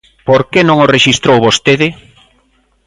¿Por que non o rexistrou vostede?